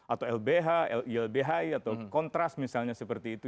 atau lbh ilbhi atau kontras misalnya seperti itu